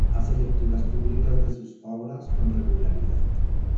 Hace lecturas públicas de sus obras con regularidad.